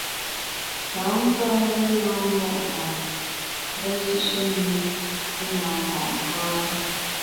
Tankare na ṅo’ nwer i mbe nsishe mi i na ṅo’ nkare.